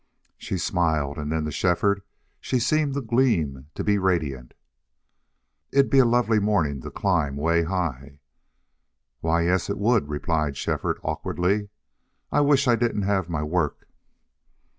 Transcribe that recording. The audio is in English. She smiled, and then to Shefford she seemed to gleam, to be radiant. "It'd be a lovely morning to climb 'way high." "Why yes it would," replied Shefford, awkwardly. "I wish I didn't have my work."